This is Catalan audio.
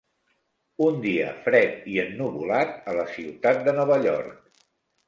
Un dia fred i ennuvolat a la ciutat de Nova York.